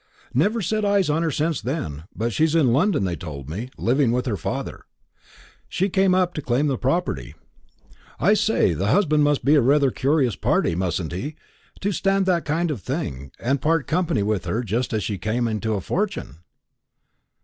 "Never set eyes on her since then; but she's in London, they told me, living with her father. She came up to claim the property. I say, the husband must be rather a curious party, mustn't he, to stand that kind of thing, and part company with her just when she's come into a fortune?"